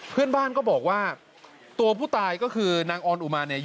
เพื่อนบ้านก็บอกว่าตัวผู้ตายก็คือนางออนอุมาเนี่ย